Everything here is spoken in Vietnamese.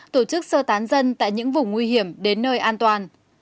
tổ chức sơ tán dân tại những vùng nguy hiểm đến nơi an toàn